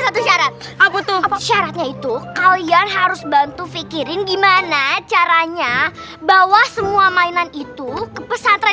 syarat syaratnya itu kalian harus bantu fikirin gimana caranya bahwa semua mainan itu ke pesantren